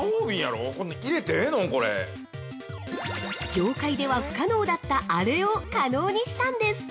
◆業界では不可能だったあれを可能にしたんです。